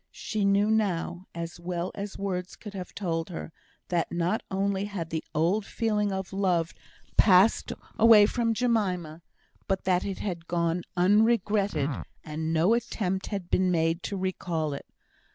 She knew now, as well as words could have told her, that not only had the old feeling of love passed away from Jemima, but that it had gone unregretted, and no attempt had been made to recall it.